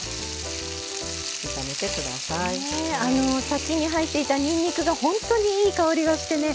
先に入っていたにんにくがほんとにいい香りがしてね。